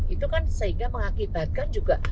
itu kan sehingga mengakibatkan juga